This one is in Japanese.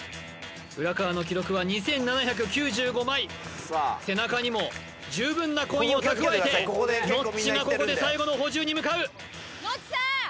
浦川の記録は２７９５枚背中にも十分なコインを蓄えてノッチがここで最後の補充に向かうノッチさん！